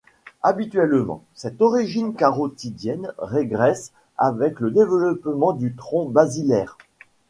Habituellement cette origine carotidienne régresse avec le développement du tronc basilaire.